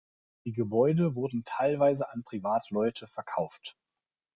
Die Gebäude wurden teilweise an Privatleute verkauft.